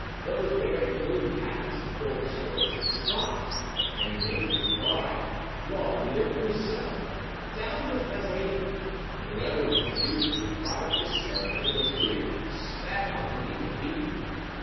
Those bearing plumed hats and gold swords were stopped and made to cry, "Long live Broussel!" "Down with Mazarin!" and whoever refused to comply with this ceremony was hooted at, spat upon and even beaten.